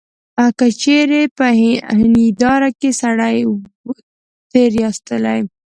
که دي چیري په هنیداره کي سړی وو تېرایستلی.